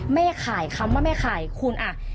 ดีกว่า